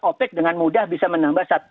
opec dengan mudah bisa menambah